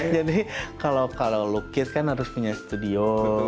jadi kalau lukis kan harus punya studio